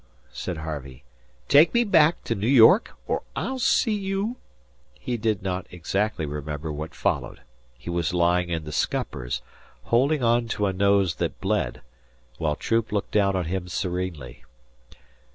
said Harvey. "Take me back to New York or I'll see you " He did not exactly remember what followed. He was lying in the scuppers, holding on to a nose that bled while Troop looked down on him serenely.